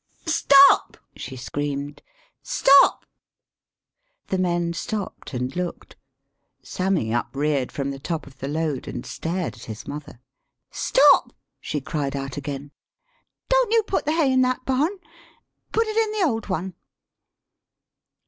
" Stop !" she screamed " stop !" [The men stopped and looked; Sammy up reared from the top of the load, and stared at his mother]. "Stop!" she cried out again.] "Don't you put the hay in that barn; put it in the old one."